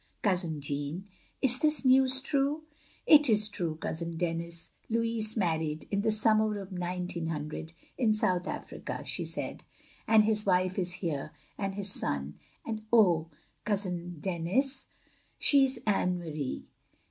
"Cousin Jeaime, is this news true?" "It is true. Cousin Denis. Louis married, in the summer of 1900, in South Africa," she said, "and his wife is here, and his son. And oh. Cousin Denis, she is Anne Marie.